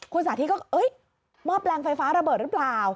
คุณสาธิตก็หม้อแปลงไฟฟ้าระเบิดหรือเปล่า